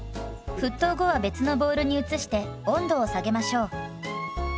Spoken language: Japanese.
沸騰後は別のボウルに移して温度を下げましょう。